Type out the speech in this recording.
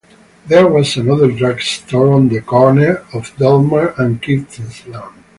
There was another drug store on the corner of Delmar and Kingsland.